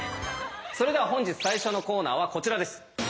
それでは本日最初のコーナーはこちらです！